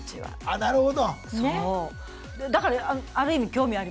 なるほど。